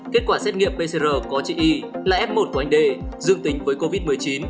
kết quả xét nghiệm pcr có chị y là f một của anh đê dương tính với covid một mươi chín